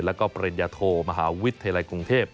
แล้วก็ปริญญาโทมหาวิทยาลัยกรุงเทพ